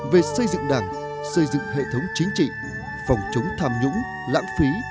về xây dựng đảng xây dựng hệ thống chính trị phòng chống tham nhũng lãng phí